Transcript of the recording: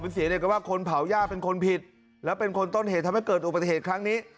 เสียเนี่ยก็ว่าคนเผาย่าเป็นคนผิดแล้วเป็นคนต้นเหตุทำให้เกิดอุบัติเหตุครั้งนี้